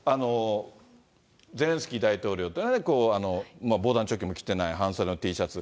ゼレンスキー大統領というのは、防弾チョッキも着てない、半袖のＴシャツ。